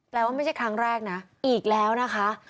ว่าไม่ใช่ครั้งแรกนะอีกแล้วนะคะ